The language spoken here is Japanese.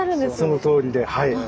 そのとおりではい。